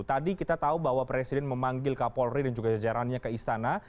tadi kita tahu bahwa presiden memanggil kapolri dan juga jajarannya ke istana